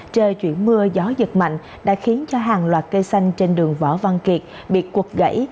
trời chuyển mưa gió giật mạnh đã khiến cho hàng loạt cây xanh trên đường võ văn kiệt bị quật gãy